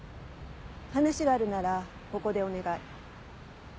話があるならここでお願い。